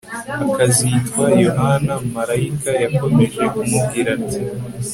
akazitwa Yohana Marayika yakomeje kumubwira ati